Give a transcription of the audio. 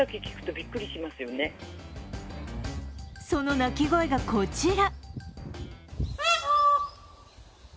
その鳴き声がこちら。